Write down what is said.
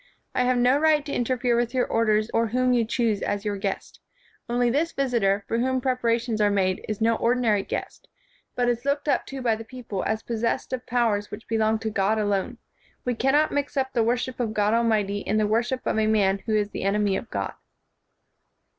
I have no right to inter fere with your orders or whom you choose as your guest; only this visitor, for whom preparations are made, is no ordinary guest, but is looked up to by the people as pos sessed of powers which belong to God alone ; We cannot mix up the worship of God Al mighty with the worship of a man who is the enemy of God."